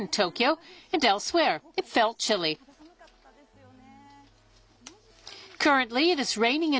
肌寒かったですよね。